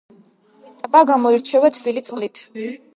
ტბა გამოირჩევა თბილი წყლით.